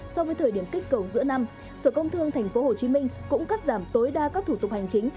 so với thời điểm kích cầu giữa năm sở công thương tp hcm cũng cắt giảm tối đa các thủ tục hành chính